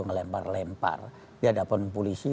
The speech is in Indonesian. melempar lempar di hadapan polisi